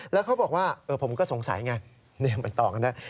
แล้วเขาบอกว่าผมก็สงสัยไงมันต่อกันได้